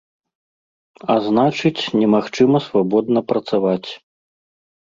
А значыць, немагчыма свабодна працаваць.